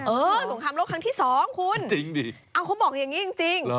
สงครามโลกครั้งที่สองคุณจริงดิเอาเขาบอกอย่างนี้จริง